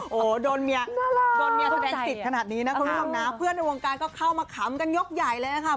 โหโดนเมียตัวใดติดขนาดนี้นะเพื่อนในวงการก็เข้ามาขำกันยกใหญ่เลยนะค่ะ